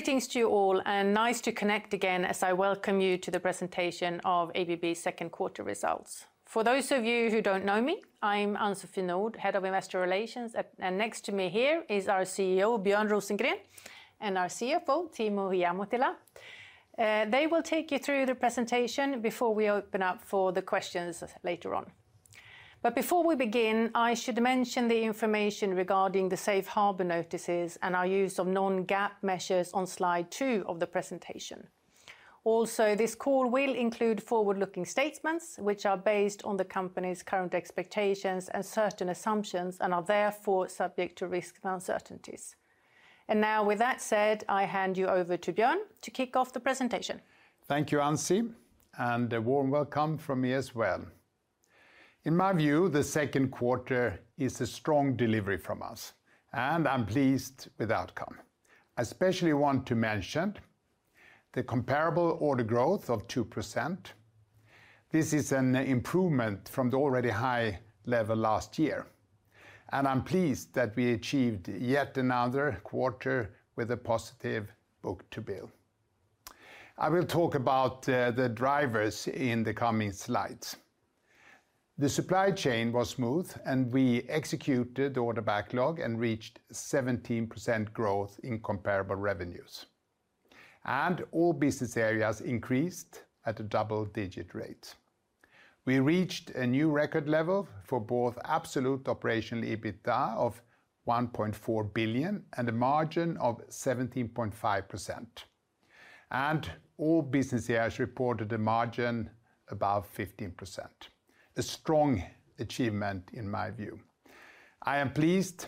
Greetings to you all, and nice to connect again as I welcome you to the presentation of ABB's second quarter results. For those of you who don't know me, I'm Ann-Sofie Nordh, Head of Investor Relations. Next to me here is our CEO, Björn Rosengren, and our CFO, Timo Ihamuotila. They will take you through the presentation before we open up for the questions later on. Before we begin, I should mention the information regarding the safe harbor notices and our use of non-GAAP measures on Slide two of the presentation. This call will include forward-looking statements, which are based on the company's current expectations and certain assumptions, and are therefore subject to risks and uncertainties. Now, with that said, I hand you over to Björn to kick off the presentation. Thank you, Ann-So, and a warm welcome from me as well. In my view, the second quarter is a strong delivery from us, and I'm pleased with the outcome. I especially want to mention the comparable order growth of 2%. This is an improvement from the already high level last year, and I'm pleased that I achieved yet another quarter with a positive book-to-bill. I will talk about the drivers in the coming slides. The supply chain was smooth, and we executed order backlog and reached 17% growth in comparable revenues, and all business areas increased at a double-digit rate. We reached a new record level for both absolute operational EBITDA of $1.4 billion, and a margin of 17.5%, and all business areas reported a margin above 15%, a strong achievement, in my view. I am pleased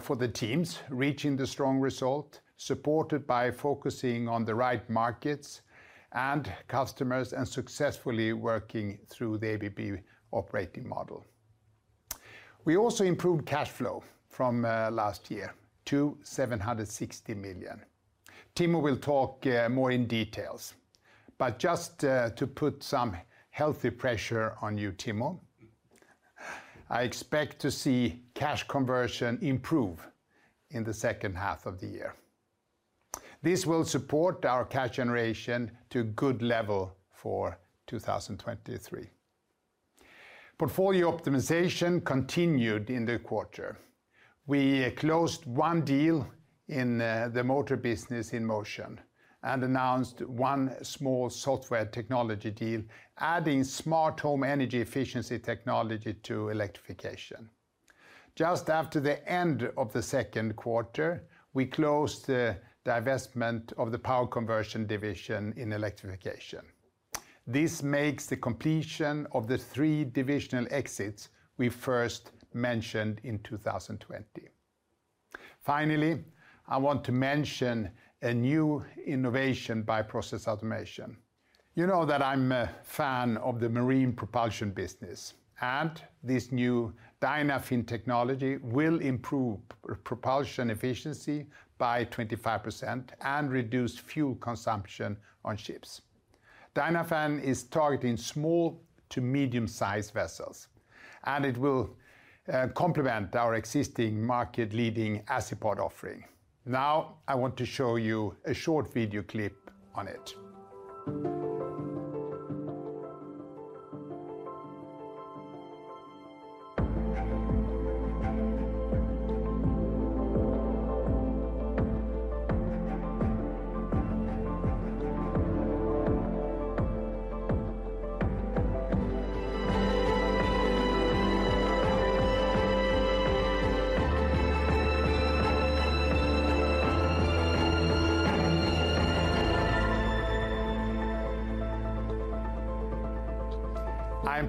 for the teams reaching the strong result, supported by focusing on the right markets and customers, and successfully working through the ABB operating model. We also improved cash flow from last year to $760 million. Timo will talk more in details. Just to put some healthy pressure on you, Timo, I expect to see cash conversion improve in the second half of the year. This will support our cash generation to a good level for 2023. Portfolio optimization continued in the quarter. We closed one deal in the motor business in Motion, and announced one small software technology deal, adding smart home energy efficiency technology to Electrification. Just after the end of the second quarter, we closed the divestment of the Power Conversion division in Electrification. This makes the completion of the three divisional exits we first mentioned in 2020. Finally, I want to mention a new innovation by Process Automation. You know that I'm a fan of the marine propulsion business, and this new Dynafin technology will improve propulsion efficiency by 25% and reduce fuel consumption on ships. Dynafin is targeting small to medium-sized vessels, and it will complement our existing market-leading Azipod offering. Now, I want to show you a short video clip on it.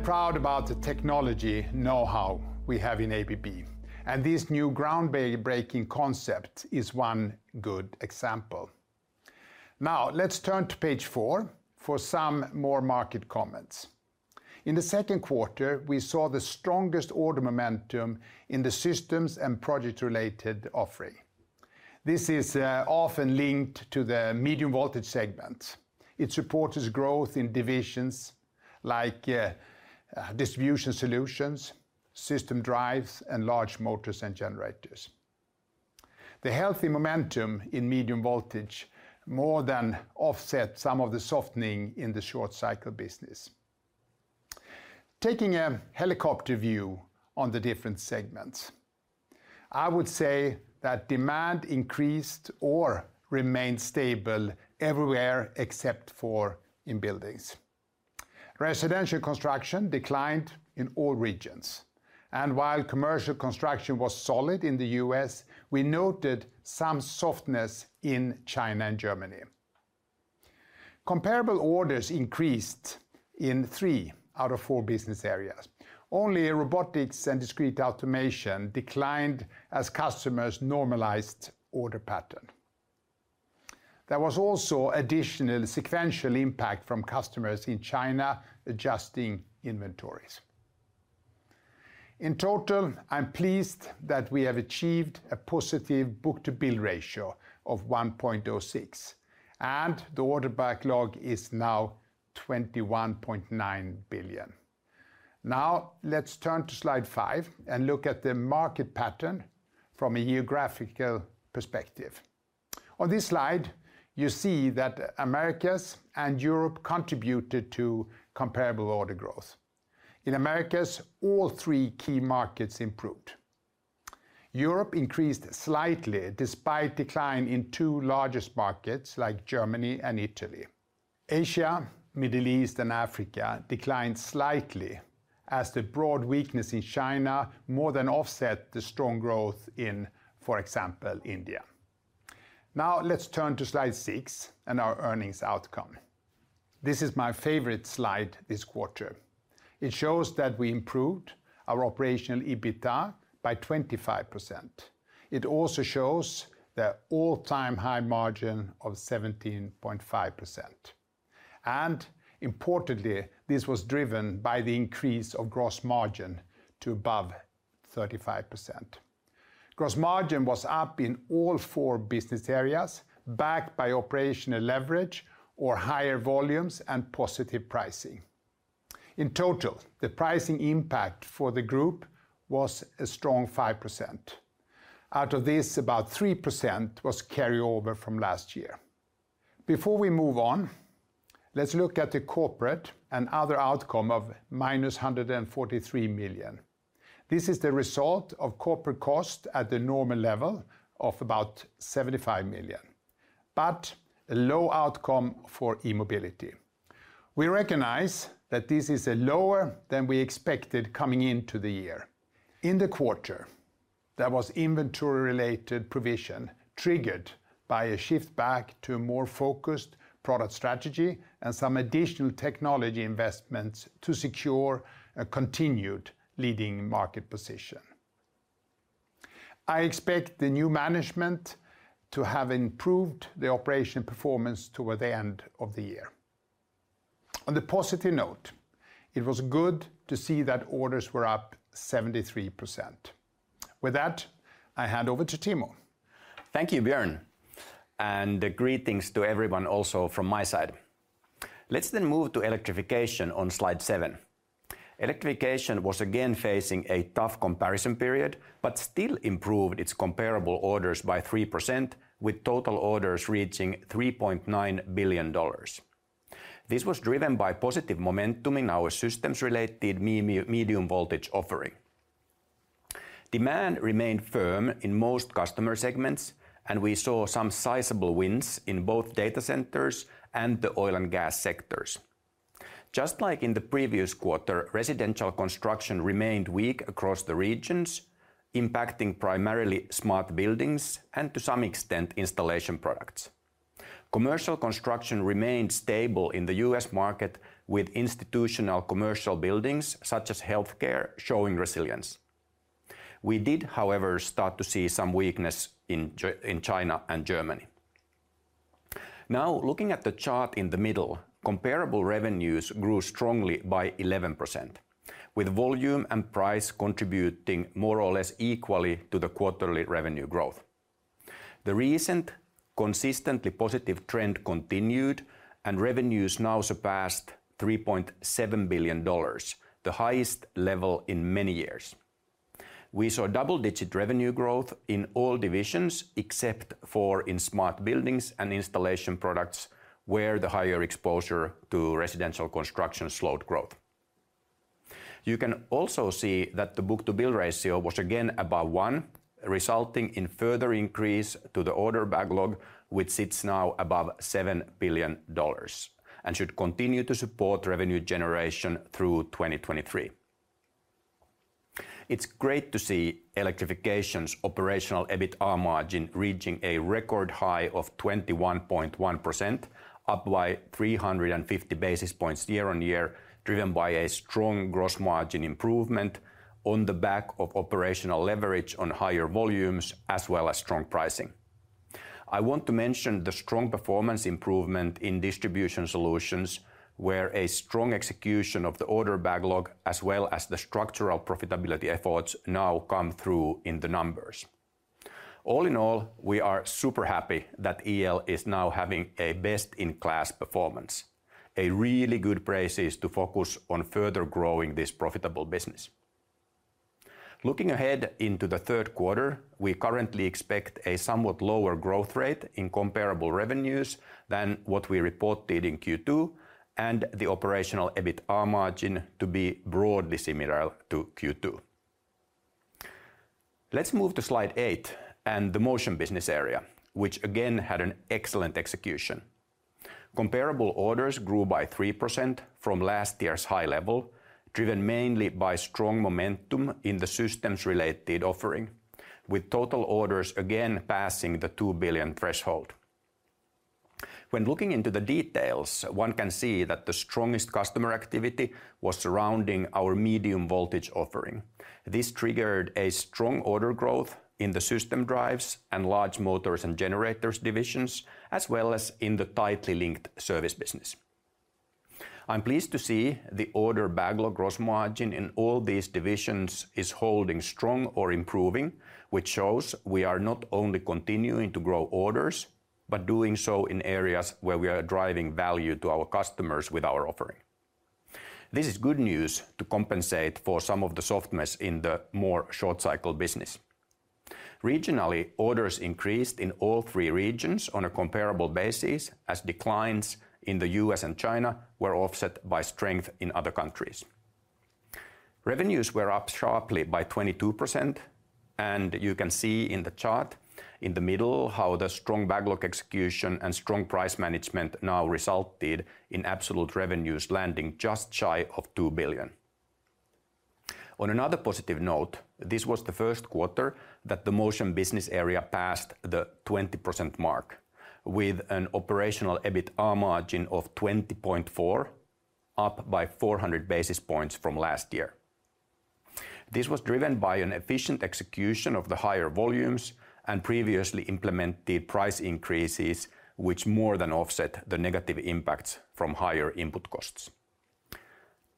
I am proud about the technology know-how we have in ABB, and this new groundbreaking concept is one good example. Now, let's turn to page four for some more market comments. In the second quarter, we saw the strongest order momentum in the systems and project-related offering. This is often linked to the medium voltage segment. It supports growth in divisions like Distribution Solutions, System Drives, and Large Motors and Generators. The healthy momentum in medium voltage more than offset some of the softening in the short cycle business. Taking a helicopter view on the different segments, I would say that demand increased or remained stable everywhere, except for in buildings. Residential construction declined in all regions, and while commercial construction was solid in the U.S., we noted some softness in China and Germany. Comparable orders increased in three out of four business areas. Only Robotics & Discrete Automation declined as customers normalized order pattern. There was also additional sequential impact from customers in China adjusting inventories. In total, I'm pleased that we have achieved a positive book-to-bill ratio of 1.06, and the order backlog is now $21.9 billion. Let's turn to slide five and look at the market pattern from a geographical perspective. On this slide, you see that Americas and Europe contributed to comparable order growth. In Americas, all three key markets improved. Europe increased slightly despite decline in two largest markets like Germany and Italy. Asia, Middle East, and Africa declined slightly, as the broad weakness in China more than offset the strong growth in, for example, India. Let's turn to slide six and our earnings outcome. This is my favorite slide this quarter. It shows that we improved our operational EBITDA by 25%. It also shows the all-time high margin of 17.5%, and importantly, this was driven by the increase of gross margin to above 35%. Gross margin was up in all four business areas, backed by operational leverage or higher volumes and positive pricing. In total, the pricing impact for the group was a strong 5%. Out of this, about 3% was carryover from last year. Before we move on, let's look at the corporate and other outcome of minus $143 million. This is the result of corporate cost at the normal level of about $75 million, but a low outcome for E-mobility. We recognize that this is a lower than we expected coming into the year. In the quarter, there was inventory-related provision, triggered by a shift back to a more focused product strategy and some additional technology investments to secure a continued leading market position. I expect the new management to have improved the operation performance toward the end of the year. On the positive note, it was good to see that orders were up 73%. With that, I hand over to Timo. Thank you, Björn. Greetings to everyone also from my side. Let's move to Electrification on slide 7. Electrification was again facing a tough comparison period, but still improved its comparable orders by 3%, with total orders reaching $3.9 billion. This was driven by positive momentum in our systems-related medium voltage offering. Demand remained firm in most customer segments, and we saw some sizable wins in both data centers and the oil and gas sectors. Just like in the previous quarter, residential construction remained weak across the regions, impacting primarily Smart Buildings and, to some extent, Installation Products. Commercial construction remained stable in the U.S. market, with institutional commercial buildings, such as healthcare, showing resilience. We did, however, start to see some weakness in China and Germany. Now, looking at the chart in the middle, comparable revenues grew strongly by 11%, with volume and price contributing more or less equally to the quarterly revenue growth. The recent consistently positive trend continued, and revenues now surpassed $3.7 billion, the highest level in many years. We saw double-digit revenue growth in all divisions, except for in Smart Buildings and Installation Products, where the higher exposure to residential construction slowed growth. You can also see that the book-to-bill ratio was again above 1, resulting in further increase to the order backlog, which sits now above $7 billion, and should continue to support revenue generation through 2023. It's great to see Electrification's operational EBITDA margin reaching a record high of 21.1%, up by 350 basis points year-on-year, driven by a strong gross margin improvement on the back of operational leverage on higher volumes, as well as strong pricing. I want to mention the strong performance improvement in Distribution Solutions, where a strong execution of the order backlog, as well as the structural profitability efforts, now come through in the numbers. All in all, we are super happy that EL is now having a best-in-class performance, a really good basis to focus on further growing this profitable business. Looking ahead into the third quarter, we currently expect a somewhat lower growth rate in comparable revenues than what we reported in Q2, and the operational EBITDA margin to be broadly similar to Q2. Let's move to slide eight and the Motion business area, which again had an excellent execution. Comparable orders grew by 3% from last year's high level, driven mainly by strong momentum in the systems-related offering, with total orders again passing the $2 billion threshold. When looking into the details, one can see that the strongest customer activity was surrounding our medium voltage offering. This triggered a strong order growth in the System Drives and Large Motors and Generators divisions, as well as in the tightly linked service business. I'm pleased to see the order backlog gross margin in all these divisions is holding strong or improving, which shows we are not only continuing to grow orders-... but doing so in areas where we are driving value to our customers with our offering. This is good news to compensate for some of the softness in the more short-cycle business. Regionally, orders increased in all three regions on a comparable basis, as declines in the U.S. and China were offset by strength in other countries. Revenues were up sharply by 22%. You can see in the chart in the middle how the strong backlog execution and strong price management now resulted in absolute revenues landing just shy of $2 billion. On another positive note, this was the first quarter that the Motion business area passed the 20% mark, with an operational EBITA margin of 20.4%, up by 400 basis points from last year. This was driven by an efficient execution of the higher volumes and previously implemented price increases, which more than offset the negative impacts from higher input costs.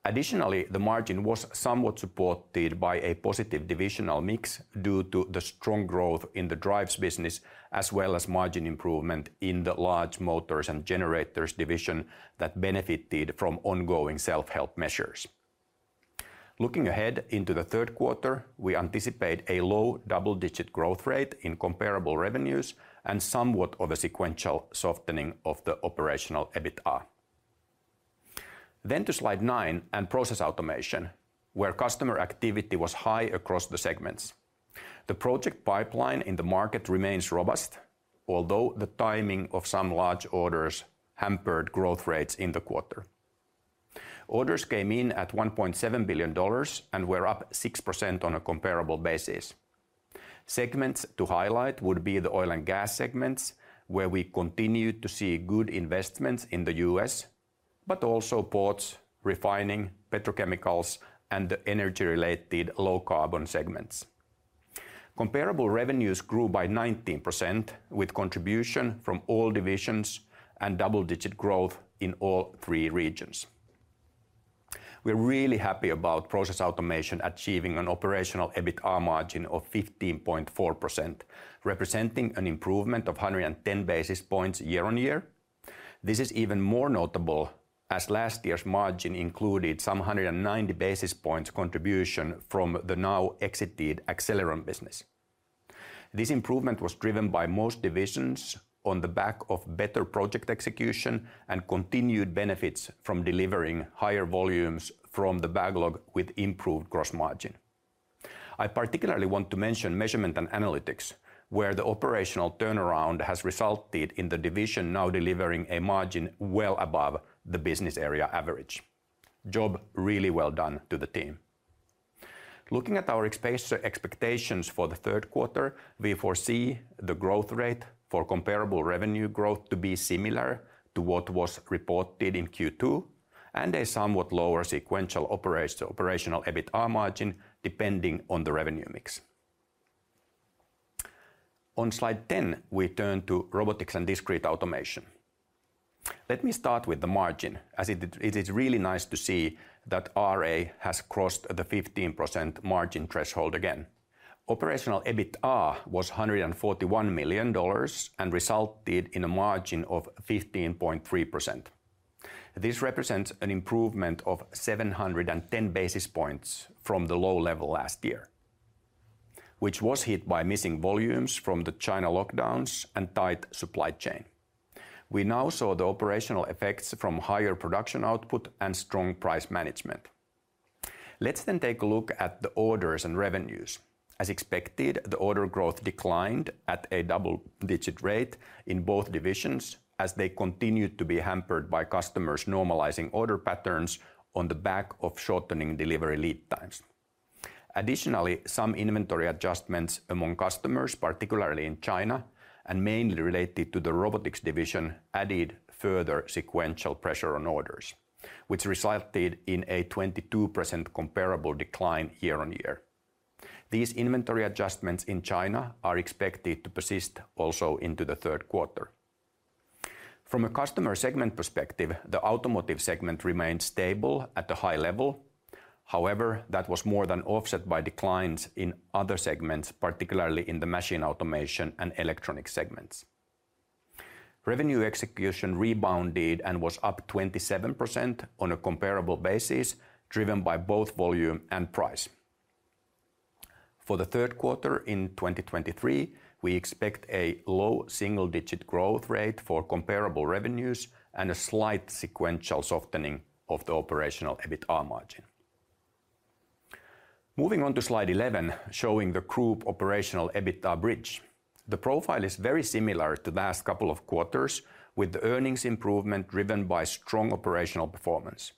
Additionally, the margin was somewhat supported by a positive divisional mix due to the strong growth in the drives business, as well as margin improvement in the Large Motors and Generators division that benefited from ongoing self-help measures. Looking ahead into the third quarter, we anticipate a low double-digit growth rate in comparable revenues and somewhat of a sequential softening of the operational EBITA. To slide nine and Process Automation, where customer activity was high across the segments. The project pipeline in the market remains robust, although the timing of some large orders hampered growth rates in the quarter. Orders came in at $1.7 billion and were up 6% on a comparable basis. Segments to highlight would be the oil and gas segments, where we continued to see good investments in the U.S., but also ports, refining, petrochemicals, and the energy-related low-carbon segments. Comparable revenues grew by 19%, with contribution from all divisions and double-digit growth in all three regions. We're really happy about Process Automation achieving an operational EBITA margin of 15.4%, representing an improvement of 110 basis points year-on-year. This is even more notable, as last year's margin included some 190 basis points contribution from the now exited Accelleron business. This improvement was driven by most divisions on the back of better project execution and continued benefits from delivering higher volumes from the backlog with improved gross margin. I particularly want to mention Measurement & Analytics, where the operational turnaround has resulted in the division now delivering a margin well above the business area average. Job really well done to the team. Looking at our expectations for the third quarter, we foresee the growth rate for comparable revenue growth to be similar to what was reported in Q2, and a somewhat lower sequential operational EBITA margin, depending on the revenue mix. On slide 10, we turn to Robotics and Discrete Automation. Let me start with the margin, as it is really nice to see that RA has crossed the 15% margin threshold again. Operational EBITA was $141 million and resulted in a margin of 15.3%. This represents an improvement of 710 basis points from the low level last year, which was hit by missing volumes from the China lockdowns and tight supply chain. We now saw the operational effects from higher production output and strong price management. Let's take a look at the orders and revenues. As expected, the order growth declined at a double-digit rate in both divisions as they continued to be hampered by customers normalizing order patterns on the back of shortening delivery lead times. Additionally, some inventory adjustments among customers, particularly in China, and mainly related to the robotics division, added further sequential pressure on orders, which resulted in a 22% comparable decline year-on-year. These inventory adjustments in China are expected to persist also into the 3rd quarter. From a customer segment perspective, the automotive segment remained stable at a high level. However, that was more than offset by declines in other segments, particularly in the machine automation and electronic segments. Revenue execution rebounded and was up 27% on a comparable basis, driven by both volume and price. For the 3rd quarter in 2023, we expect a low single-digit growth rate for comparable revenues and a slight sequential softening of the operational EBITA margin. Moving on to Slide 11, showing the group operational EBITA bridge. The profile is very similar to the last couple of quarters, with the earnings improvement driven by strong operational performance.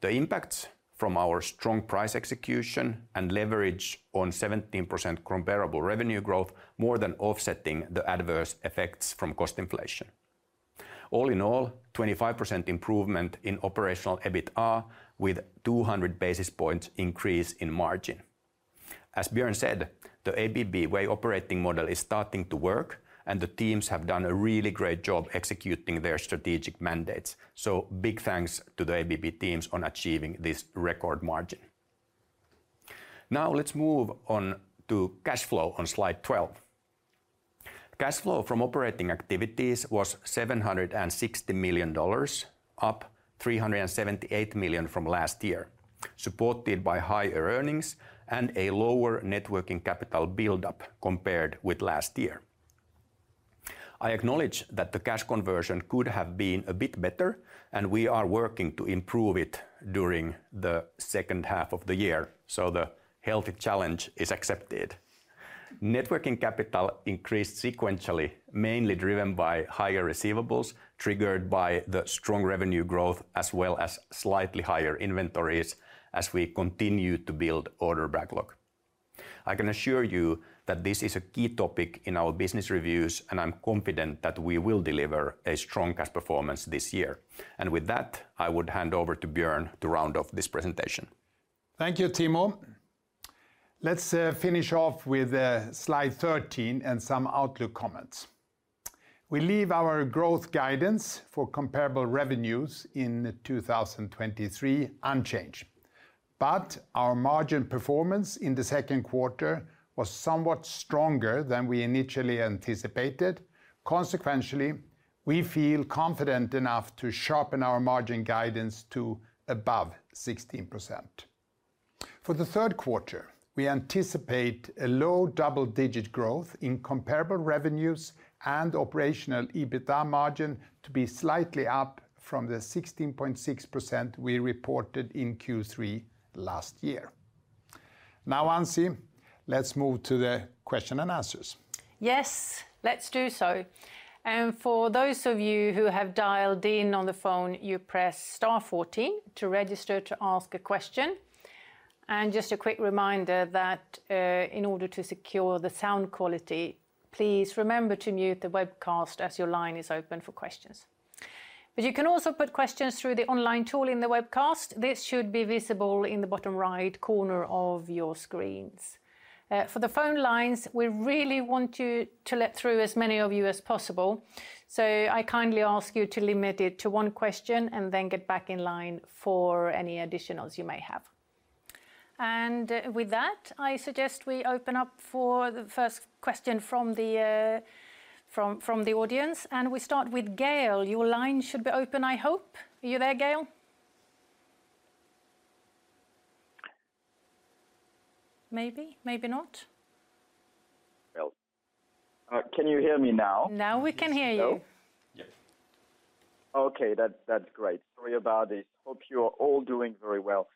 The impacts from our strong price execution and leverage on 17% comparable revenue growth, more than offsetting the adverse effects from cost inflation. All in all, 25% improvement in operational EBITA, with 200 basis points increase in margin. As Björn said, the ABB Way operating model is starting to work, and the teams have done a really great job executing their strategic mandates. Big thanks to the ABB teams on achieving this record margin. Let's move on to cash flow on Slide 12. Cash flow from operating activities was $760 million, up $378 million from last year, supported by higher earnings and a lower net working capital buildup compared with last year. I acknowledge that the cash conversion could have been a bit better, and we are working to improve it during the second half of the year, so the healthy challenge is accepted. Net working capital increased sequentially, mainly driven by higher receivables, triggered by the strong revenue growth, as well as slightly higher inventories as we continue to build order backlog. I can assure you that this is a key topic in our business reviews, and I'm confident that we will deliver a strong cash performance this year. With that, I would hand over to Björn to round off this presentation. Thank you, Timo. Let's finish off with slide 13 and some outlook comments. We leave our growth guidance for comparable revenues in 2023 unchanged, but our margin performance in the second quarter was somewhat stronger than we initially anticipated. Consequentially, we feel confident enough to sharpen our margin guidance to above 16%. For the third quarter, we anticipate a low double-digit growth in comparable revenues and operational EBITDA margin to be slightly up from the 16.6% we reported in Q3 last year. Now, Ann-So, let's move to the question and answers. Yes, let's do so. For those of you who have dialed in on the phone, you press star 40 to register to ask a question. Just a quick reminder that, in order to secure the sound quality, please remember to mute the webcast as your line is open for questions. You can also put questions through the online tool in the webcast. This should be visible in the bottom right corner of your screens. For the phone lines, we really want to let through as many of you as possible, so I kindly ask you to limit it to one question and then get back in line for any additionals you may have. With that, I suggest we open up for the first question from the audience, and we start with Gael. Your line should be open, I hope. Are you there, Gael? Maybe, maybe not. Well, can you hear me now? Now we can hear you. Hello? Yep. Okay, that's great. Sorry about this. Hope you are all doing very well.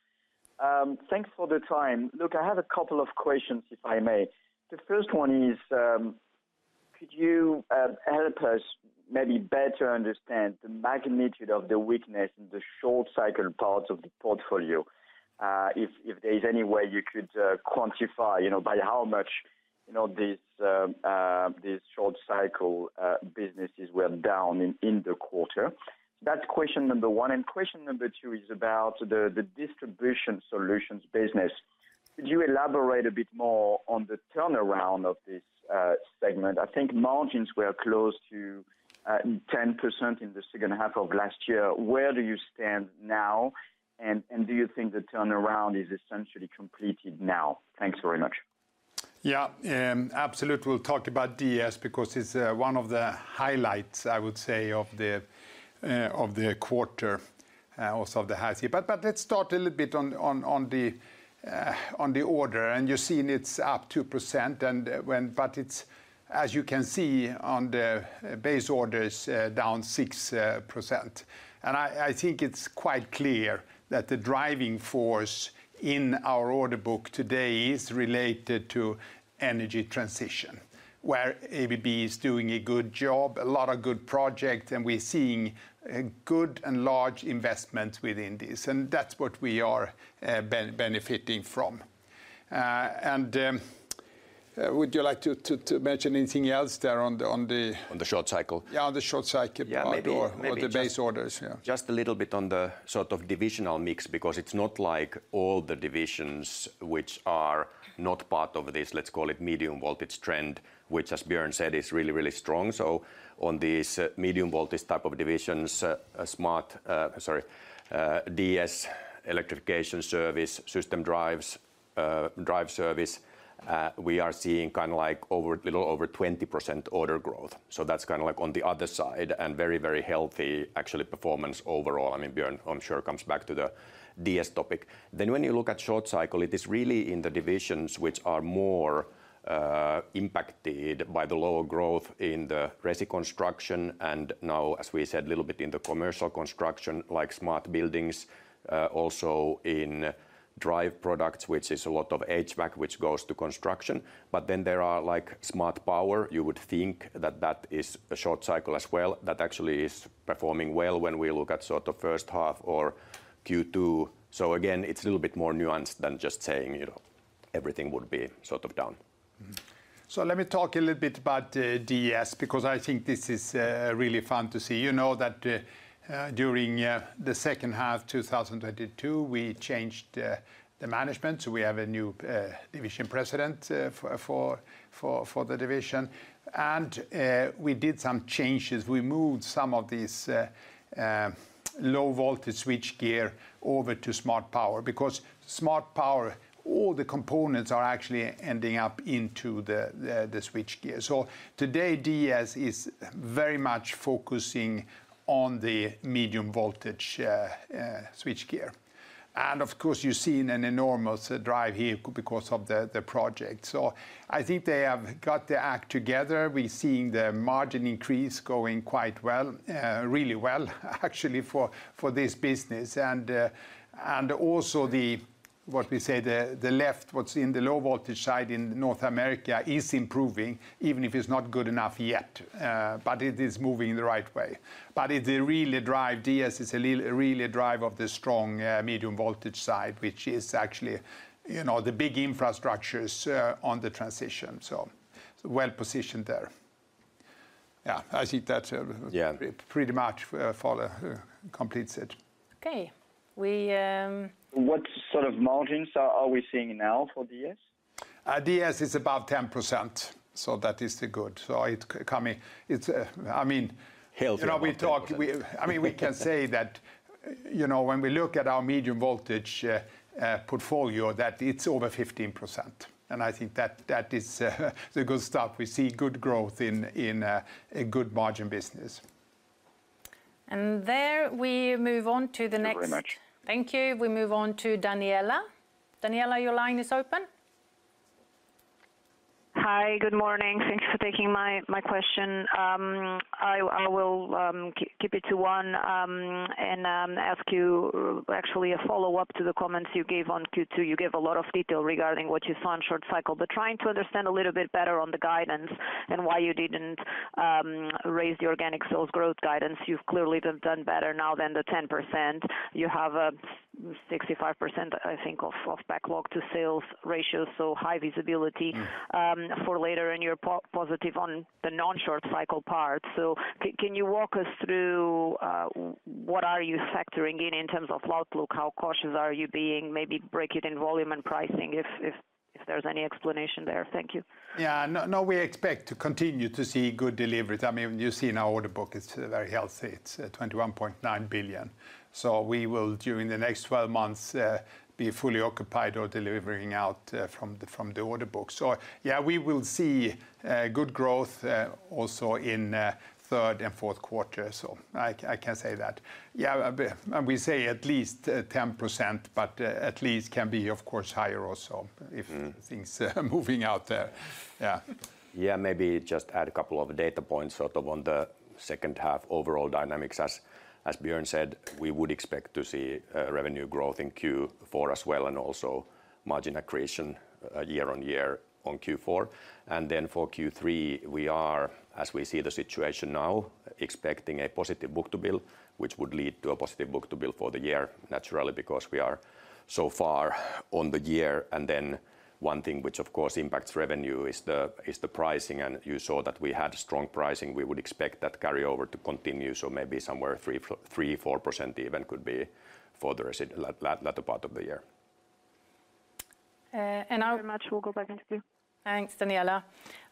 Thanks for the time. Look, I have a couple of questions, if I may. The first one is, could you help us maybe better understand the magnitude of the weakness in the short cycle parts of the portfolio? If there is any way you could quantify, you know, by how much, you know, these short cycle businesses were down in the quarter. That's question number one. Question number two is about the Distribution Solutions business. Could you elaborate a bit more on the turnaround of this segment? I think margins were close to 10% in the second half of last year. Where do you stand now, and do you think the turnaround is essentially completed now? Thanks very much. Yeah, absolutely. We'll talk about DS, because it's one of the highlights, I would say, of the quarter, also of the half year. Let's start a little bit on the order, and you're seeing it's up 2%, and when... It's, as you can see on the base orders, down 6%. I think it's quite clear that the driving force in our order book today is related to energy transition, where ABB is doing a good job, a lot of good projects, and we're seeing a good and large investment within this, and that's what we are benefiting from. And, would you like to mention anything else there on the. On the short cycle? Yeah, on the short cycle. Yeah. The base orders, yeah. Just a little bit on the sort of divisional mix, because it's not like all the divisions which are not part of this, let's call it medium voltage trend, which, as Björn said, is really, really strong. On these medium voltage type of divisions, sorry, DS, Electrification Service, System Drives Service, we are seeing kind of like over, a little over 20% order growth. That's kind of like on the other side, and very, very healthy, actually, performance overall. I mean, Björn, I'm sure, comes back to the DS topic. When you look at short cycle, it is really in the divisions which are more impacted by the lower growth in the resi construction, and now, as we said, a little bit in the commercial construction, like Smart Buildings, also in Drive Products, which is a lot of HVAC, which goes to construction. There are, like, Smart Power. You would think that that is a short cycle as well. That actually is performing well when we look at sort of first half or Q2. Again, it's a little bit more nuanced than just saying, you know, everything would be sort of down. Let me talk a little bit about DS, because I think this is really fun to see. You know, that during the second half 2022, we changed the management, so we have a new division president for the division. We did some changes. We moved some of these low voltage switchgear over to Smart Power, because Smart Power, all the components are actually ending up into the switchgear. Today, DS is very much focusing on the medium voltage switchgear. Of course, you're seeing an enormous drive here because of the project. I think they have got their act together. We're seeing the margin increase going quite well, really well, actually, for this business. Also what we say, what's in the low voltage side in North America is improving, even if it's not good enough yet, but it is moving in the right way. It really drive DS, it's really a drive of the strong medium voltage side, which is actually, you know, the big infrastructures on the transition, so well positioned there. I think that. Yeah pretty much, for the, completes it. Okay, we. What sort of margins are we seeing now for DS? DES is above 10%, so that is the good. It's, I mean... Health. You know, we talked, I mean, we can say that, you know, when we look at our medium voltage portfolio, that it's over 15%, and I think that is a good start. We see good growth in a good margin business. there, we move on to the. Thank you very much. Thank you. We move on to Daniela. Daniela, your line is open. Hi, good morning. Thanks for taking my question. I will keep it to one and ask you actually a follow-up to the comments you gave on Q2. You gave a lot of detail regarding what you saw on short cycle, but trying to understand a little bit better on the guidance and why you didn't raise the organic sales growth guidance. You've clearly done better now than the 10%. You have a 65%, I think, of backlog to sales ratio, so high visibility- Mm. for later and you're positive on the non-short cycle part. Can you walk us through, what are you factoring in terms of outlook? How cautious are you being? Maybe break it in volume and pricing, if, if there's any explanation there. Thank you. Yeah. No, no, we expect to continue to see good deliveries. I mean, you see in our order book, it's very healthy. It's $21.9 billion. We will, during the next 12 months, be fully occupied or delivering out from the order book. Yeah, we will see good growth also in third and fourth quarter. I can say that. Yeah, and we say at least 10%, but at least can be, of course, higher also. Mm If things are moving out there. Yeah. Yeah, maybe just add a couple of data points, sort of, on the second half, overall dynamics. As Björn said, we would expect to see revenue growth in Q4 as well, and also margin accretion year-over-year on Q4. For Q3, we are, as we see the situation now, expecting a positive book-to-bill, which would lead to a positive book-to-bill for the year, naturally, because we are so far on the year. One thing which of course impacts revenue is the pricing, and you saw that we had strong pricing. We would expect that carryover to continue, so maybe somewhere 3-4% even could be for the latter part of the year. Uh, and I'll- Thank you very much. We'll go back into you. Thanks, Daniela.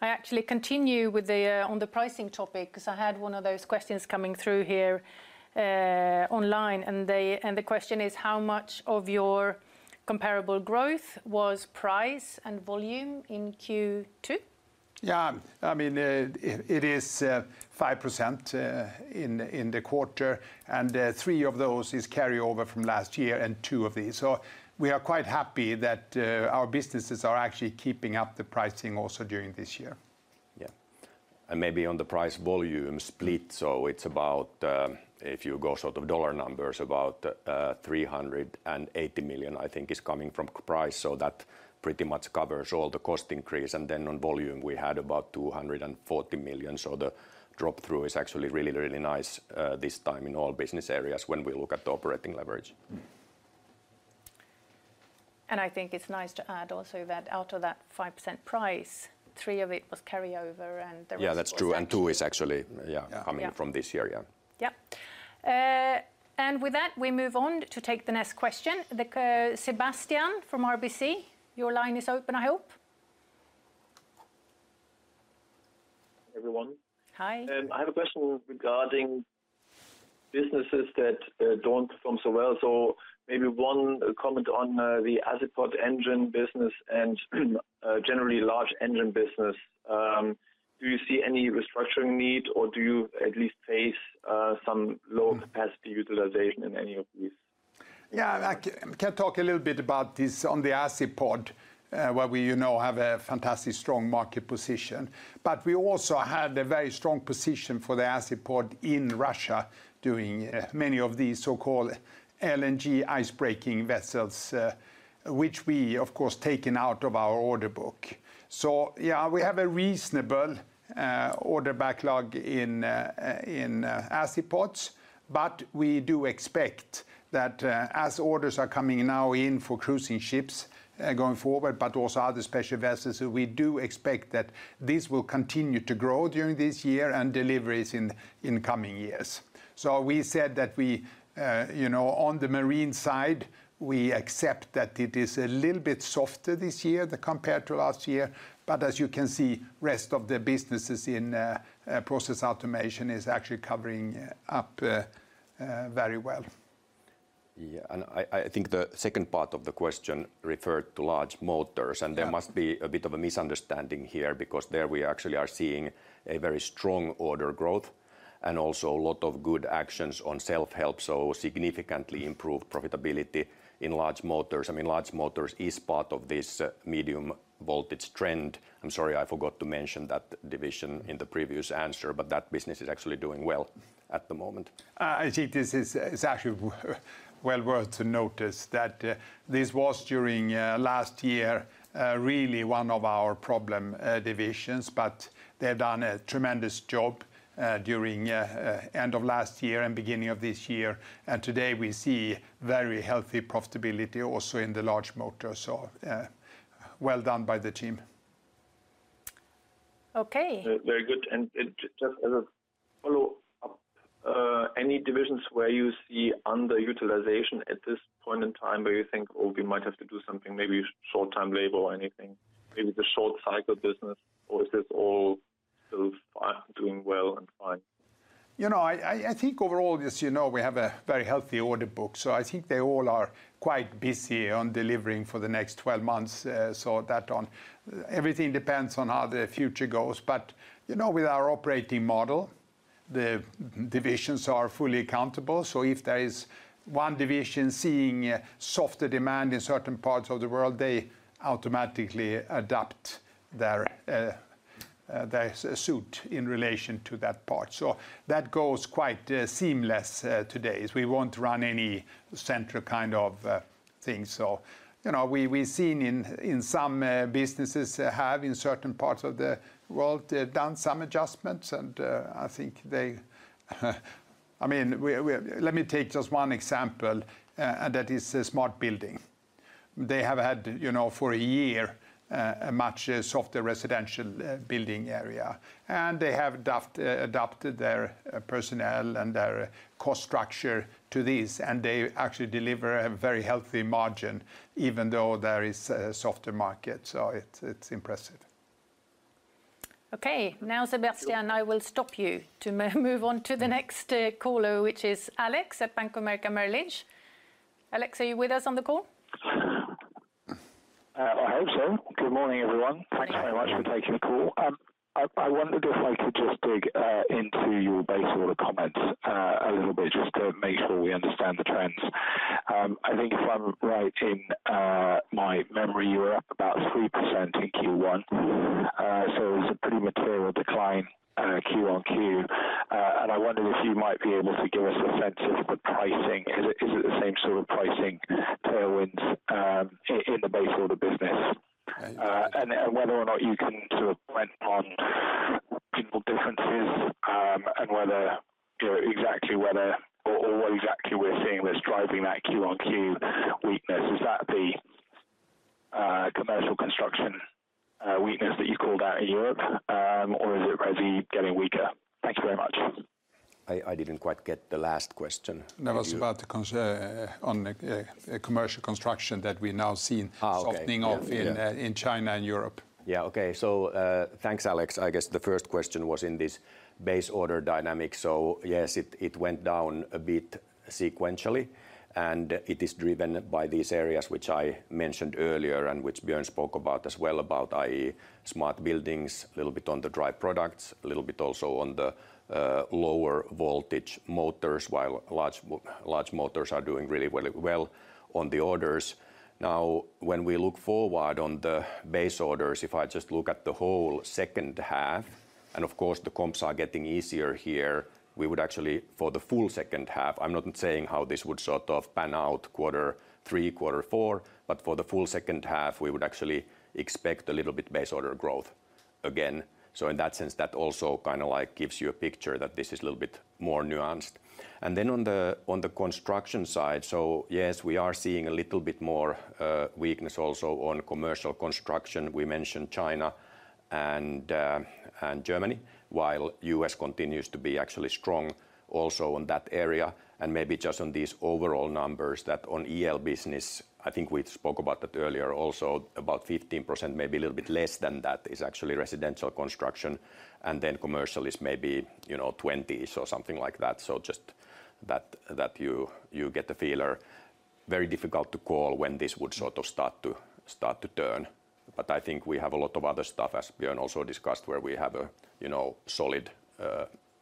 I actually continue with the on the pricing topic, cause I had one of those questions coming through here online, and the question is: How much of your comparable growth was price and volume in Q2? Yeah, I mean, it is 5% in the quarter, and three of those is carryover from last year, and two of these. We are quite happy that our businesses are actually keeping up the pricing also during this year. Yeah. Maybe on the price volume split, it's about, if you go sort of dollar numbers, about $380 million, I think, is coming from price. That pretty much covers all the cost increase. On volume, we had about $240 million, so the drop through is actually really, really nice this time in all business areas when we look at the operating leverage. I think it's nice to add also that out of that 5% price, three of it was carryover, and the rest was. Yeah, that's true. Two is actually- Yeah. coming from this year. Yeah. Yep. With that, we move on to take the next question. Sebastian from RBC, your line is open, I hope. Everyone. Hi. I have a question regarding businesses that don't perform so well. Maybe one comment on the Azipod engine business and generally, large engine business. Do you see any restructuring need, or do you at least face some low capacity utilization in any of these? I can talk a little bit about this on the Azipod, where we, you know, have a fantastic, strong market position. We also had a very strong position for the Azipod in Russia, doing many of these so-called LNG icebreaking vessels, which we, of course, taken out of our order book. We have a reasonable order backlog in Azipods, but we do expect that as orders are coming now in for cruising ships, going forward, but also other special vessels, we do expect that this will continue to grow during this year and deliveries in coming years. We said that we, you know, on the marine side, we accept that it is a little bit softer this year, compared to last year, as you can see, rest of the businesses in Process Automation is actually covering up very well. Yeah, I think the second part of the question referred to Large Motors. There must be a bit of a misunderstanding here. There we actually are seeing a very strong order growth and also a lot of good actions on self-help. Significantly improved profitability in Large Motors. I mean, Large Motors is part of this medium voltage trend. I'm sorry, I forgot to mention that division in the previous answer. That business is actually doing well at the moment. I think this is actually well worth to notice, that this was during last year, really one of our problem divisions. They've done a tremendous job during end of last year and beginning of this year, and today we see very healthy profitability also in the Large Motors. Well done by the team. Okay. Very good, and just as a follow-up, any divisions where you see underutilization at this point in time, where you think, "Oh, we might have to do something," maybe short-term labor or anything, maybe the short cycle business, or is this all still doing well and fine? You know, I think overall, as you know, we have a very healthy order book, so I think they all are quite busy on delivering for the next 12 months. Everything depends on how the future goes. You know, with our operating model, the divisions are fully accountable, so if there is one division seeing a softer demand in certain parts of the world, they automatically adapt their suit in relation to that part. That goes quite seamless today, as we won't run any central kind of things. You know, we've seen in some businesses have, in certain parts of the world, they've done some adjustments, I mean, let me take just one example, and that is a Smart Buildings. They have had, you know, for a year, a much softer residential, building area, and they have adopted their personnel and their cost structure to this, and they actually deliver a very healthy margin, even though there is a softer market. It's, it's impressive. Sebastian, I will stop you to move on to the next caller, which is Alex at Bank of America Merrill Lynch. Alex, are you with us on the call? I hope so. Good morning, everyone. Thanks very much for taking the call. I wondered if I could just dig into your base order comments a little bit, just to make sure we understand the trends. I think if I'm right in my memory, you were up about 3% in Q1, so it was a pretty material decline Q-on-Q. I wonder if you might be able to give us a sense of the pricing. Is it the same sort of pricing tailwinds in the base order business? Whether or not you can sort of comment on regional differences, and whether, you know, exactly whether or what exactly we're seeing that's driving that Q-on-Q weakness. Is that the commercial construction weakness that you called out in Europe, or is it resi getting weaker? Thank you very much. I didn't quite get the last question? That was about the commercial construction, that we're now seeing. Okay.... softening off. Yeah in China and Europe. Yeah, okay. Thanks, Alex. I guess the first question was in this base order dynamic. Yes, it went down a bit sequentially, and it is driven by these areas which I mentioned earlier, and which Björn spoke about as well, about, i.e., Smart Buildings, little bit on the Drive Products, a little bit also on the lower voltage motors, while large motors are doing really very well on the orders. Now, when we look forward on the base orders, if I just look at the whole second half, and of course, the comps are getting easier here, we would actually, for the full second half, I'm not saying how this would sort of pan out quarter three, quarter four, but for the full second half, we would actually expect a little bit base order growth again. In that sense, that also kind of, like, gives you a picture that this is a little bit more nuanced. Then on the construction side, yes, we are seeing a little bit more weakness also on commercial construction. We mentioned China and Germany, while U.S. continues to be actually strong also on that area. Maybe just on these overall numbers, that on Electrification business, I think we spoke about that earlier also, about 15%, maybe a little bit less than that, is actually residential construction, and then commercial is maybe, you know, 20ish or something like that. Just that you get the feeler. Very difficult to call when this would sort of start to turn. I think we have a lot of other stuff, as Björn also discussed, where we have a, you know, solid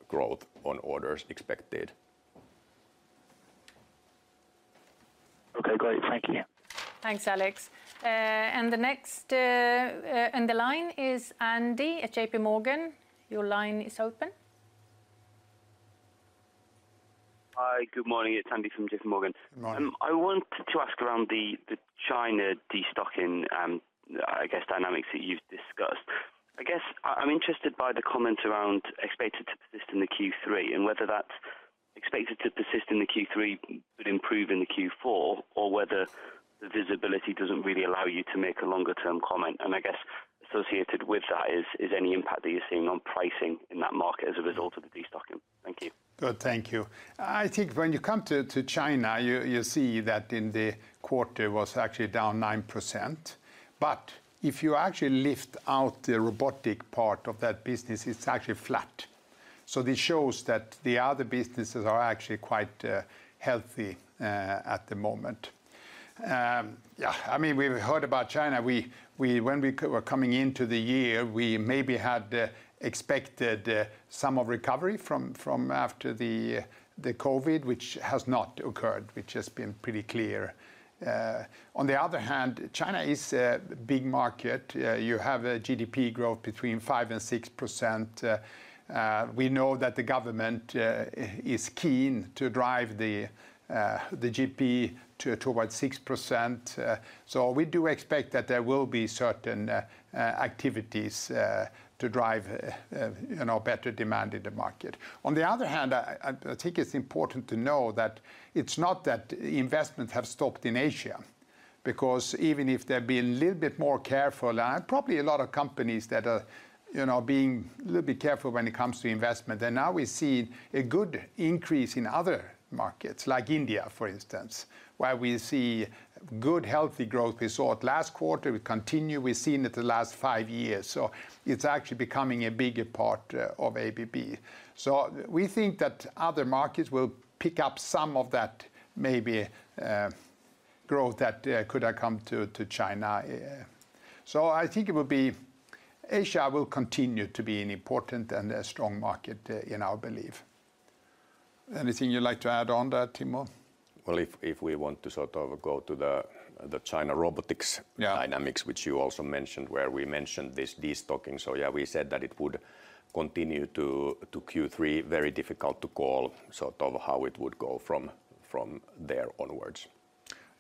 growth on orders expected. Okay, great. Thank you. Thanks, Alex. The next on the line is Andy at JP Morgan. Your line is open. Hi, good morning. It's Andy from JP Morgan. Morning. I wanted to ask around the China destocking, I guess, dynamics that you've discussed. I'm interested by the comment around expected to persist in the Q3, whether that's expected to persist in the Q3 but improve in the Q4, or whether the visibility doesn't really allow you to make a longer-term comment? I guess associated with that is any impact that you're seeing on pricing in that market as a result of the destocking? Thank you. Good. Thank you. I think when you come to China, you see that in the quarter was actually down 9%. If you actually lift out the robotic part of that business, it's actually flat. This shows that the other businesses are actually quite healthy at the moment. Yeah, I mean, we've heard about China. When we were coming into the year, we maybe had expected some of recovery from after the COVID, which has not occurred, which has been pretty clear. On the other hand, China is a big market. You have a GDP growth between 5% and 6%. We know that the government is keen to drive the GDP towards 6%. We do expect that there will be certain activities to drive, you know, better demand in the market. On the other hand, I think it's important to know that it's not that investments have stopped in Asia. Even if they're being a little bit more careful, and probably a lot of companies that are, you know, being a little bit careful when it comes to investment, now we see a good increase in other markets, like India, for instance, where we see good, healthy growth. We saw it last quarter, we continue, we've seen it the last five years, so it's actually becoming a bigger part of ABB. We think that other markets will pick up some of that maybe growth that could have come to China. I think Asia will continue to be an important and a strong market in our belief. Anything you'd like to add on that, Timo? Well, if we want to sort of go to the China robotics... Yeah dynamics, which you also mentioned, where we mentioned this destocking. Yeah, we said that it would continue to Q3. Very difficult to call sort of how it would go from there onwards.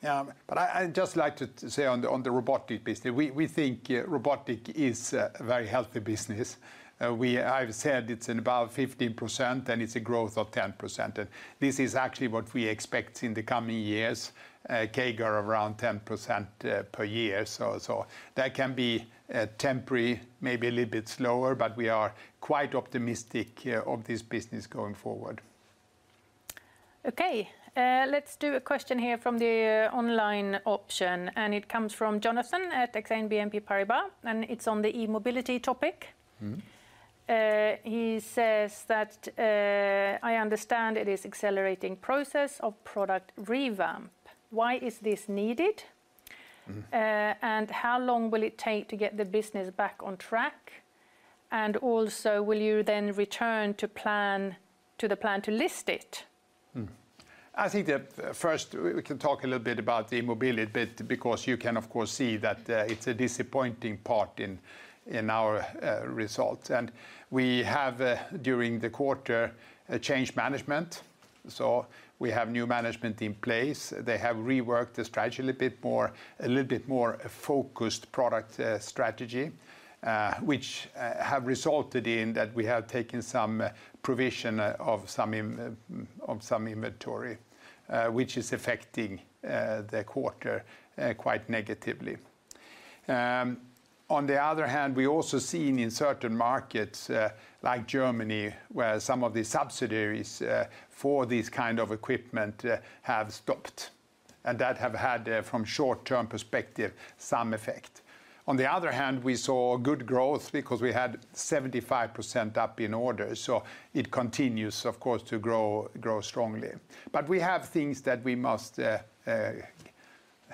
I'd just like to say on the robotic business, we think robotic is a very healthy business. I've said it's about 15%, and it's a growth of 10%, and this is actually what we expect in the coming years, CAGR around 10% per year. That can be temporary, maybe a little bit slower, but we are quite optimistic of this business going forward. Okay, let's do a question here from the online option. It comes from Jonathan at Exane BNP Paribas, and it's on the E-mobility topic. Mm-hmm. He says that, "I understand it is accelerating process of product revamp. Why is this needed? Mm. How long will it take to get the business back on track? Also, will you then return to the plan to list it? I think that first, we can talk a little bit about the E-mobility bit, because you can, of course, see that it's a disappointing part in our results. We have during the quarter a change management, so we have new management in place. They have reworked the strategy a little bit more focused product strategy, which have resulted in that we have taken some provision of some inventory, which is affecting the quarter quite negatively. On the other hand, we also seen in certain markets, like Germany, where some of the subsidiaries for these kind of equipment have stopped, that have had from short-term perspective some effect. On the other hand, we saw good growth because we had 75% up in order, so it continues, of course, to grow strongly. We have things that we must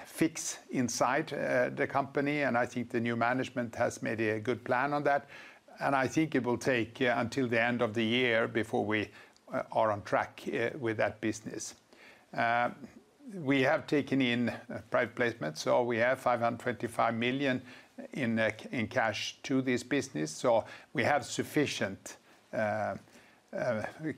fix inside the company, and I think the new management has made a good plan on that. I think it will take until the end of the year before we are on track with that business. We have taken in private placement, so we have $525 million in cash to this business, so we have sufficient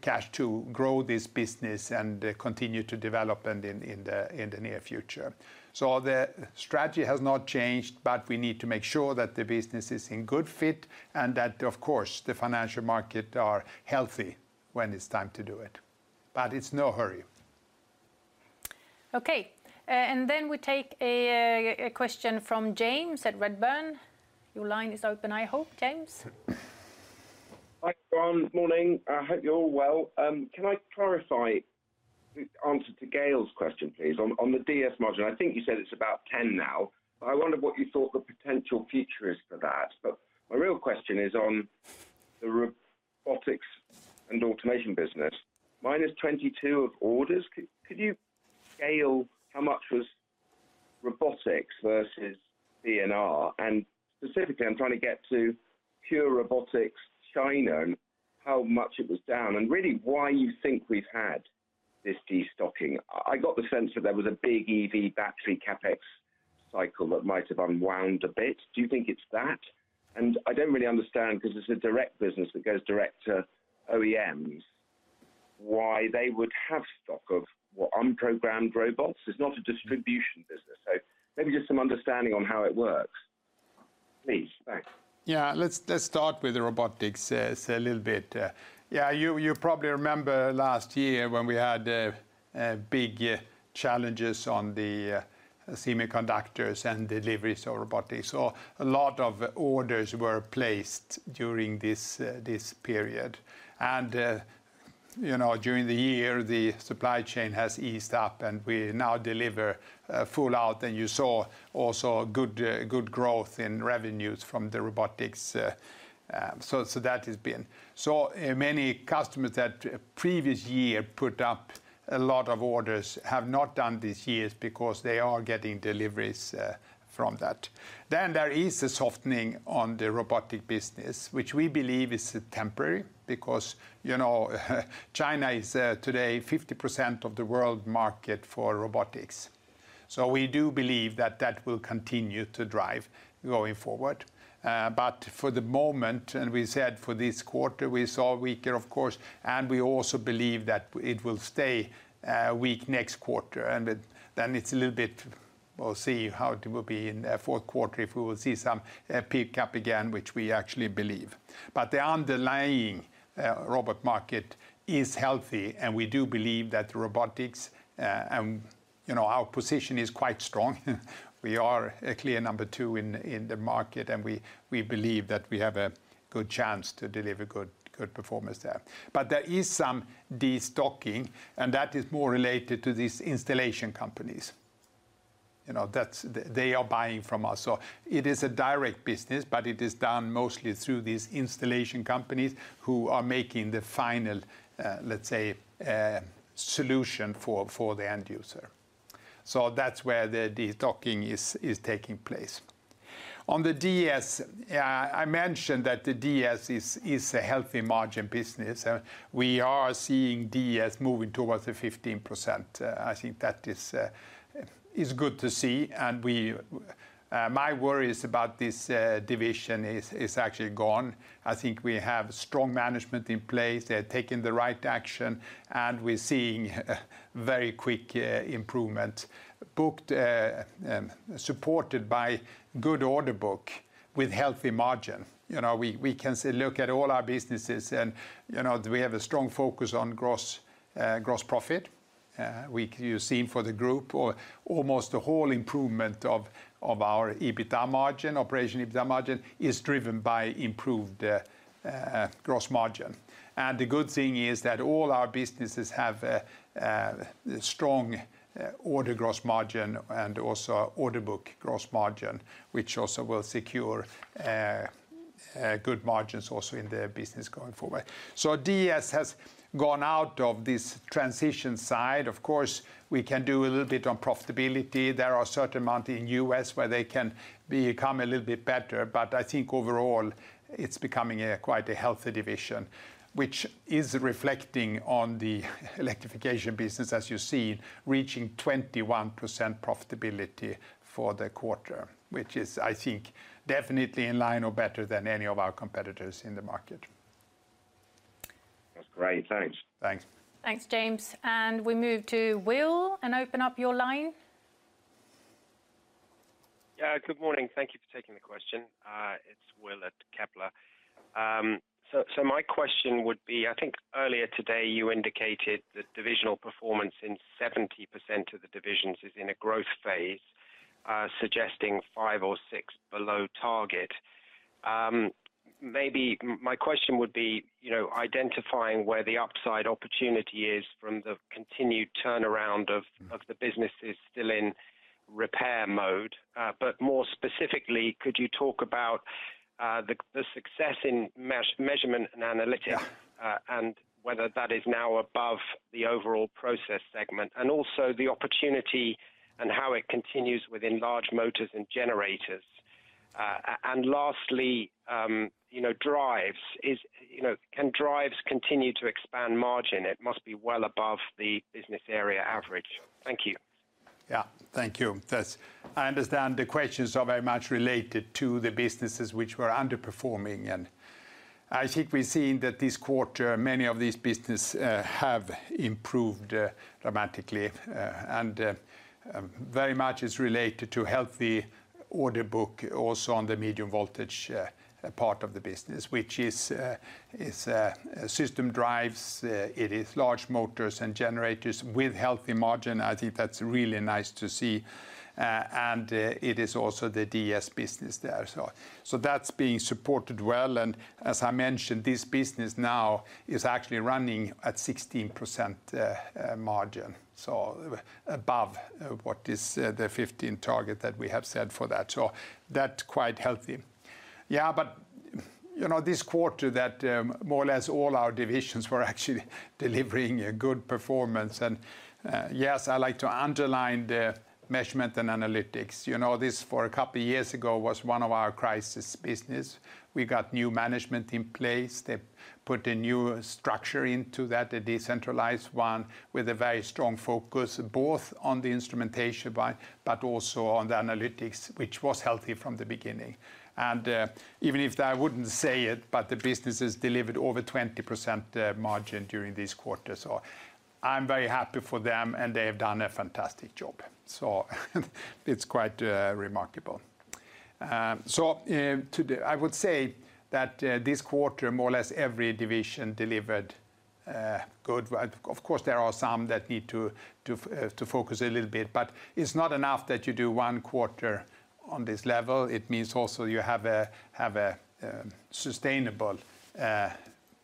cash to grow this business and continue to develop in the near future. The strategy has not changed, but we need to make sure that the business is in good fit and that, of course, the financial market are healthy when it's time to do it, but it's no hurry. Okay. Then we take a question from James at Redburn. Your line is open, I hope, James. Hi, John. Good morning. I hope you're all well. Can I clarify the answer to Gael's question, please? On the DS module, I think you said it's about 10 now, but I wondered what you thought the potential future is for that. My real question is on the Robotics & Discrete Automation business, minus 22 of orders, can you scale how much was robotics versus B&R? Specifically, I'm trying to get to pure robotics, China, and how much it was down, and really, why you think we've had this destocking. I got the sense that there was a big EV battery CapEx cycle that might have unwound a bit. Do you think it's that? I don't really understand, because it's a direct business that goes direct to OEMs, why they would have stock of, well, unprogrammed robots? It's not a distribution business. Maybe just some understanding on how it works, please. Thanks. Yeah, let's start with the robotics little bit. Yeah, you probably remember last year when we had big challenges on the semiconductors and deliveries of robotics. A lot of orders were placed during this period. You know, during the year, the supply chain has eased up, and we now deliver full out. You saw also good growth in revenues from the robotics, that has been. Many customers that previous year put up a lot of orders have not done this year because they are getting deliveries from that. There is a softening on the robotic business, which we believe is temporary, because, you know, China is today 50% of the world market for robotics. We do believe that that will continue to drive going forward. For the moment, and we said for this quarter, we saw weaker, of course, and we also believe that it will stay weak next quarter. Then it's a little bit, we'll see how it will be in fourth quarter, if we will see some pick-up again, which we actually believe. The underlying robot market is healthy, and we do believe that robotics, you know, our position is quite strong. We are a clear number two in the market, and we believe that we have a good chance to deliver good performance there. There is some de-stocking, and that is more related to these installation companies. You know, that's they are buying from us. It is a direct business, but it is done mostly through these installation companies who are making the final, let's say, solution for the end user. That's where the destocking is taking place. On the DS, I mentioned that the DS is a healthy margin business. We are seeing DS moving towards the 15%. I think that is good to see, and my worries about this division is actually gone. I think we have strong management in place. They're taking the right action, and we're seeing very quick improvement. Booked, supported by good order book with healthy margin. You know, we can say look at all our businesses and, you know, do we have a strong focus on gross profit? You've seen for the group or almost the whole improvement of our EBITDA margin, operational EBITDA margin, is driven by improved gross margin. The good thing is that all our businesses have a strong order gross margin, and also order book gross margin, which also will secure good margins also in the business going forward. DS has gone out of this transition side. Of course, we can do a little bit on profitability. There are certain amount in U.S. where they can become a little bit better, but I think overall, it's becoming a quite a healthy division, which is reflecting on the Electrification business, as you see, reaching 21% profitability for the quarter, which is, I think, definitely in line or better than any of our competitors in the market. That's great. Thanks. Thanks. Thanks, James. We move to Will, and open up your line. Yeah, good morning. Thank you for taking the question. It's Will at Kepler. My question would be, I think earlier today, you indicated that divisional performance in 70% of the divisions is in a growth phase, suggesting five or six below target. My question would be, you know, identifying where the upside opportunity is from the continued turnaround of- Mm... of the businesses still in repair mode. More specifically, could you talk about the success in Measurement & Analytics, and whether that is now above the overall process segment, and also the opportunity and how it continues within Large Motors and Generators? Lastly, you know, drives. You know, can drives continue to expand margin? It must be well above the business area average. Thank you. Yeah. Thank you. I understand the questions are very much related to the businesses which were underperforming, I think we've seen that this quarter, many of these business have improved dramatically, Very much is related to healthy order book also on the medium voltage part of the business, which is System Drives, it is Large Motors and Generators with healthy margin. I think that's really nice to see. It is also the DS business there. That's being supported well, and as I mentioned, this business now is actually running at 16% margin, so above what is the 15 target that we have set for that. That's quite healthy. You know, this quarter that, more or less all our divisions were actually delivering a good performance. Yes, I like to underline the Measurement & Analytics. You know, this, for a couple years ago, was one of our crisis business. We got new management in place. They put a new structure into that, a decentralized one, with a very strong focus, both on the instrumentation but also on the analytics, which was healthy from the beginning. Even if I wouldn't say it, but the business has delivered over 20% margin during this quarter. I'm very happy for them, and they have done a fantastic job. It's quite remarkable. I would say that this quarter, more or less, every division delivered good. Of course, there are some that need to focus a little bit, but it's not enough that you do one quarter on this level. It means also you have a sustainable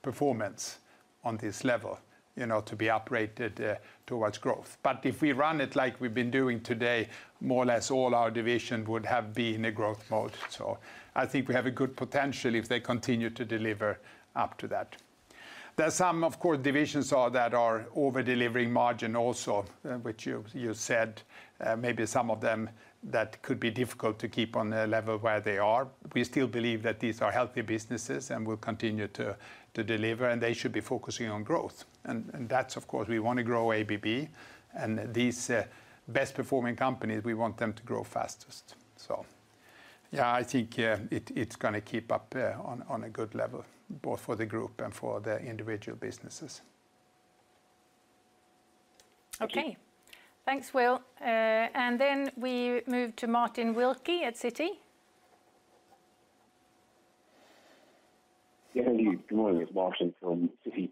performance. On this level, you know, to be operated towards growth. If we run it like we've been doing today, more or less, all our division would have been in a growth mode. I think we have a good potential if they continue to deliver up to that. There are some, of course, divisions that are over-delivering margin also, which you said, maybe some of them that could be difficult to keep on the level where they are. We still believe that these are healthy businesses and will continue to deliver, and they should be focusing on growth. That's of course, we want to grow ABB and these best performing companies, we want them to grow fastest. Yeah, I think it's gonna keep up on a good level, both for the group and for the individual businesses. Okay. Thanks, Will. We move to Martin Wilkie at Citi. Yeah, thank you. Good morning, it's Martin from Citi.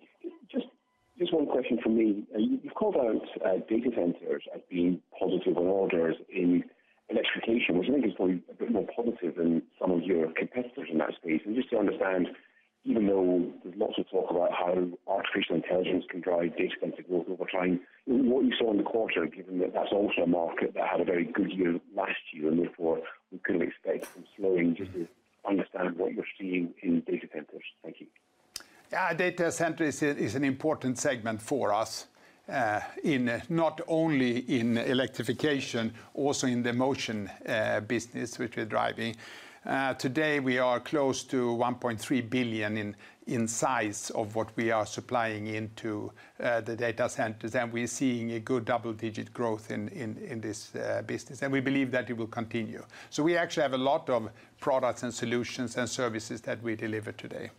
Just one question from me. You've called out data centers as being positive on orders in Electrification, which I think is probably a bit more positive than some of your competitors in that space. Just to understand, even though there's lots of talk about how artificial intelligence can drive data center growth over time, what you saw in the quarter, given that that's also a market that had a very good year last year, and therefore, we could expect some slowing, just to understand what you're seeing in data centers. Thank you. Data center is an important segment for us, in not only in Electrification, also in the Motion business, which we're driving. Today, we are close to $1.3 billion in size of what we are supplying into the data centers, and we're seeing a good double-digit growth in this business, and we believe that it will continue. We actually have a lot of products and solutions and services that we deliver today.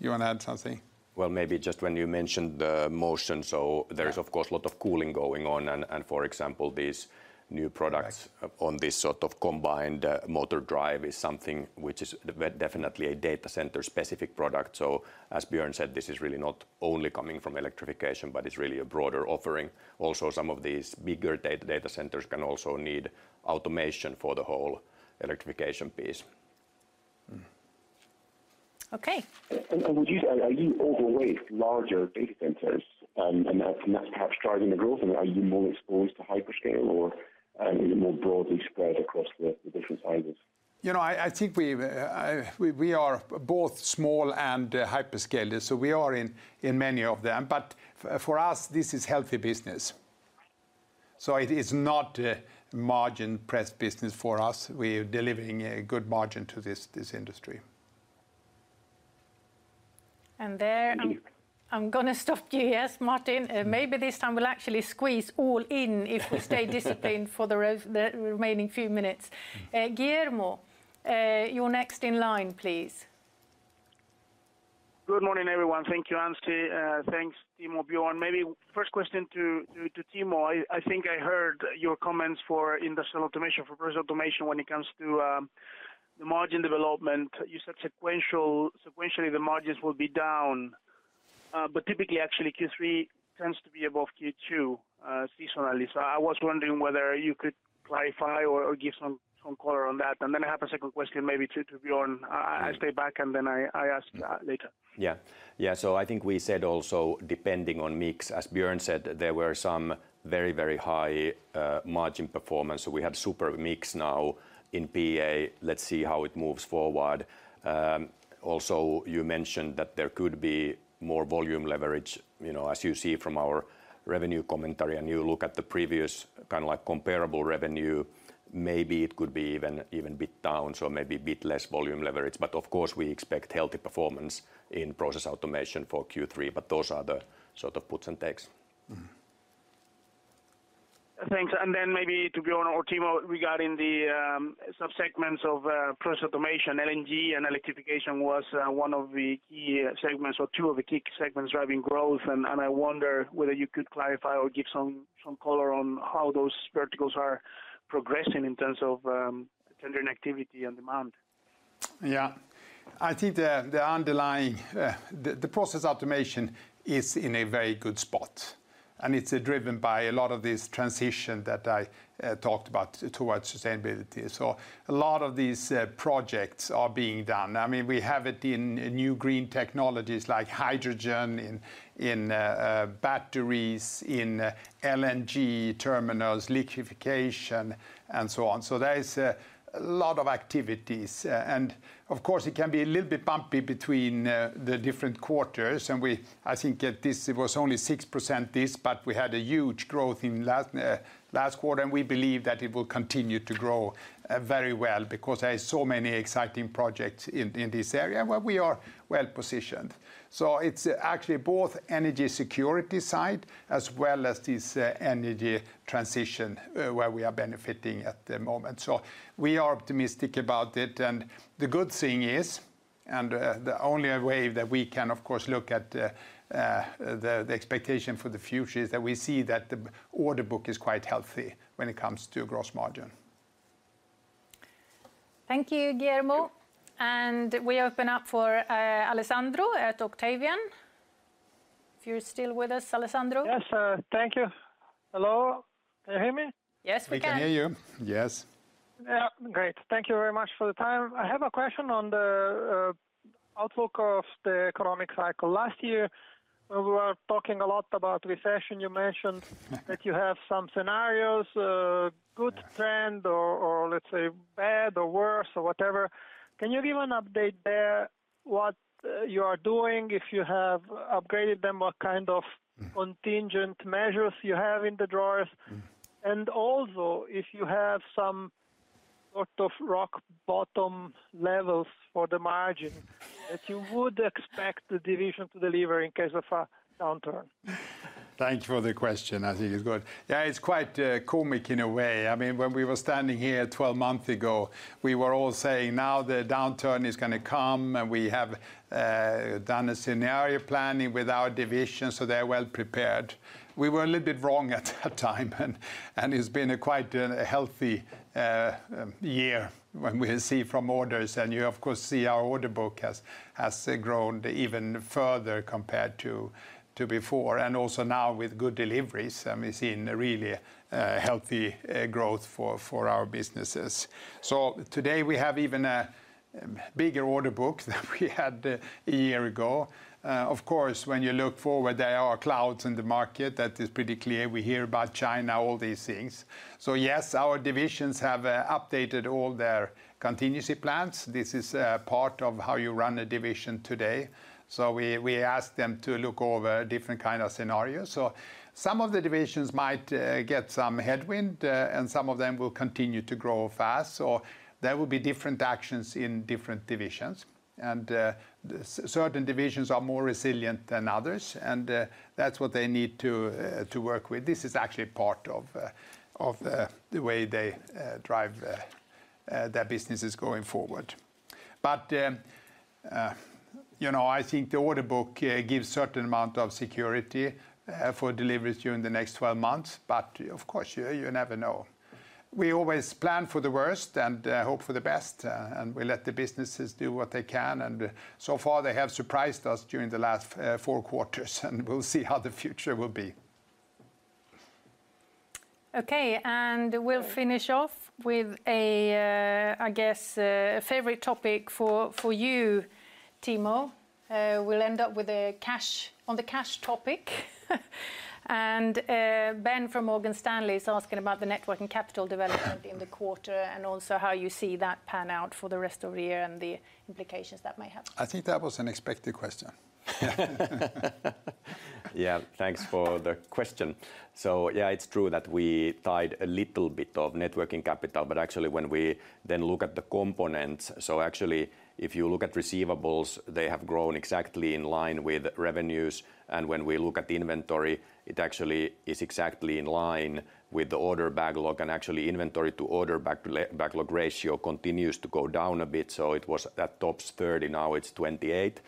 You want to add something? Well, maybe just when you mentioned the Motion. Yeah... there is, of course, a lot of cooling going on, and for example, these new. Right On this sort of combined motor drive is something which is definitely a data center specific product. As Björn said, this is really not only coming from Electrification, but it's really a broader offering. Some of these bigger data centers can also need automation for the whole Electrification piece. Okay. Are you overweight larger data centers? That's perhaps driving the growth, and are you more exposed to hyperscale or more broadly spread across the different sizes? You know, I think we are both small and hyperscalers, so we are in many of them. For us, this is healthy business. It is not a margin press business for us. We're delivering a good margin to this industry. And there- Thank you. I'm gonna stop you, yes, Martin. Maybe this time we'll actually squeeze all in if we stay disciplined for the remaining few minutes. Guillermo, you're next in line, please. Good morning, everyone. Thank you, Ann-Sofi. Thanks, Timo, Björn. Maybe first question to Timo. I think I heard your comments for industrial automation, for Process Automation when it comes to the margin development. You said sequentially, the margins will be down, but typically, actually, Q3 tends to be above Q2 seasonally. I was wondering whether you could clarify or give some color on that. Then I have a second question, maybe to Björn. I stay back, and then I ask that later. I think we said also, depending on mix, as Björn said, there were some very, very high margin performance. We have super mix now in PA. Let's see how it moves forward. Also, you mentioned that there could be more volume leverage, you know, as you see from our revenue commentary, and you look at the previous, kind of like, comparable revenue, maybe it could be even a bit down, so maybe a bit less volume leverage. Of course, we expect healthy performance in Process Automation for Q3, but those are the sort of puts and takes. Thanks. Maybe to Björn or Timo, regarding the subsegments of Process Automation, LNG and Electrification was one of the key segments or two of the key segments driving growth. I wonder whether you could clarify or give some color on how those verticals are progressing in terms of tender activity and demand. Yeah. I think the underlying Process Automation is in a very good spot, and it's driven by a lot of this transition that I talked about towards sustainability. A lot of these projects are being done. I mean, we have it in new green technologies like hydrogen, in batteries, in LNG terminals, liquefaction, and so on. There is a lot of activities. Of course, it can be a little bit bumpy between the different quarters, and I think at this, it was only 6% this, but we had a huge growth in last quarter, and we believe that it will continue to grow very well because there are so many exciting projects in this area, where we are well positioned. It's actually both energy security side, as well as this energy transition, where we are benefiting at the moment. We are optimistic about it. The good thing is, the only way that we can, of course, look at the expectation for the future is that we see that the order book is quite healthy when it comes to gross margin. Thank you, Guillermo. We open up for Alessandro at Octavian. If you're still with us, Alessandro? Yes, thank you. Hello? Can you hear me? Yes, we can. We can hear you, yes. Yeah, great. Thank you very much for the time. I have a question on the outlook of the economic cycle. Last year, we were talking a lot about recession. That you have some scenarios, a good trend or let's say, bad or worse or whatever. Can you give an update there, what you are doing, if you have upgraded them? Mm... contingent measures you have in the drawers? Mm. Also, if you have some sort of rock bottom levels that you would expect the division to deliver in case of a downturn. Thank you for the question. I think it's good. Yeah, it's quite comic in a way. I mean, when we were standing here 12 month ago, we were all saying, "Now the downturn is gonna come, and we have done a scenario planning with our divisions, so they're well-prepared." We were a little bit wrong at that time, and it's been a quite healthy year when we see from orders. You, of course, see our order book has grown even further compared to before. Also now with good deliveries, we've seen a really healthy growth for our businesses. Today we have even a bigger order book than we had a year ago. Of course, when you look forward, there are clouds in the market. That is pretty clear. We hear about China, all these things. Yes, our divisions have updated all their contingency plans. This is part of how you run a division today. We ask them to look over different kind of scenarios. Some of the divisions might get some headwind and some of them will continue to grow fast. There will be different actions in different divisions. Certain divisions are more resilient than others, and that's what they need to work with. This is actually part of the way they drive their businesses going forward. You know, I think the order book gives certain amount of security for deliveries during the next 12 months. Of course, you never know. We always plan for the worst and hope for the best, and we let the businesses do what they can. So far they have surprised us during the last four quarters, and we'll see how the future will be. Okay, we'll finish off with a, I guess, a favorite topic for you, Timo. We'll end up on the cash topic. Ben from Morgan Stanley is asking about the net working capital development in the quarter, and also how you see that pan out for the rest of the year, and the implications that may have. I think that was an expected question. Yeah, thanks for the question. Yeah, it's true that we tied a little bit of net working capital, actually when we look at the components... Actually, if you look at receivables, they have grown exactly in line with revenues. When we look at the inventory, it actually is exactly in line with the order backlog. Actually, inventory to order backlog ratio continues to go down a bit. It was at tops 30, now it's 28.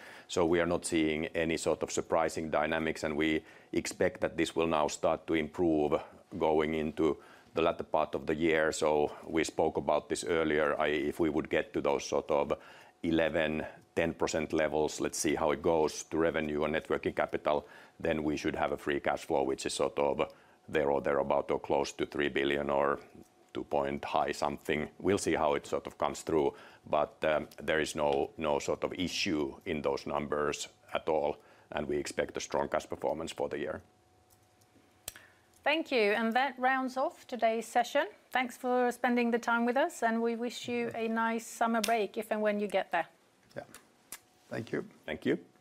We are not seeing any sort of surprising dynamics, we expect that this will now start to improve going into the latter part of the year. We spoke about this earlier, if we would get to those sort of 11%, 10% levels, let's see how it goes to revenue and net working capital, then we should have a free cash flow, which is sort of there or thereabout, or close to $3 billion or two point high something. We'll see how it sort of comes through. There is no sort of issue in those numbers at all, and we expect a strong cash performance for the year. Thank you. That rounds off today's session. Thanks for spending the time with us. We wish you- Mm... a nice summer break, if and when you get there. Yeah. Thank you. Thank you.